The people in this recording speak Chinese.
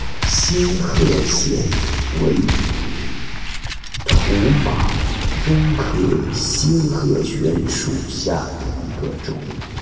仙鹤藓为土马鬃科仙鹤藓属下的一个种。